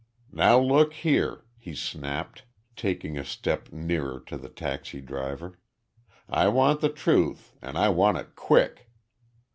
"Now look here," he snapped, taking a step nearer to the taxi driver, "I want the truth and I want it quick!